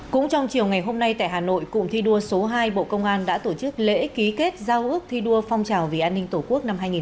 cũng trong chiều ngày hôm nay tại hà nội cụm thi đua số hai bộ công an đã tổ chức lễ ký kết giao ước thi đua phong trào vì an ninh tổ quốc năm hai nghìn hai mươi bốn